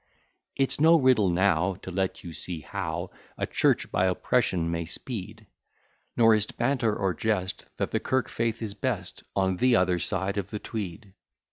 It's no riddle now To let you see how A church by oppression may speed; Nor is't banter or jest, That the kirk faith is best On the other side of the Tweed.